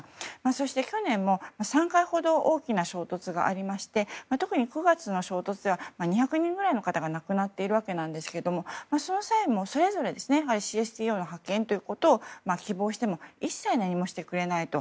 そして去年も３回ほど大きな衝突がありまして特に９月の衝突では２００人ぐらいの方が亡くなっているわけですがその際もそれぞれＣＳＴＯの派遣ということを希望しても一切何もしてくれないと。